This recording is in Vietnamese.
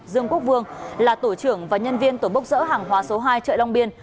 dương quốc vương là tổ trưởng và nhân viên tổ bốc dỡ hàng hóa số hai chợ long biên